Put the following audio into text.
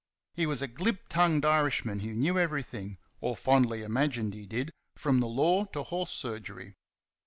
He was a glib tongued Irishman who knew everything or fondly imagined he did from the law to horse surgery.